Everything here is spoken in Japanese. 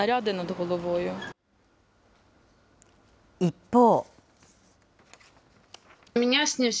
一方。